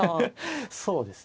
そうですね。